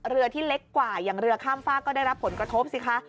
เรือที่เล็กกว่าอย่างเรือข้ามฝากก็ได้รับผลกระทบสิคะ